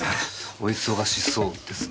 お忙しそうですね。